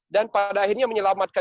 dan pada akhirnya menyelamatkan